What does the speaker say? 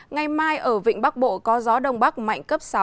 ngày mai ở vịnh bắc bộ có gió đông bắc mạnh cấp sáu